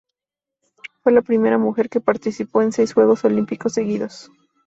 Fue la primera mujer que participó en seis Juegos Olímpicos seguidos.